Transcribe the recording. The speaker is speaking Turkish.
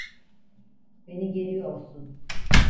Beni geriyorsun.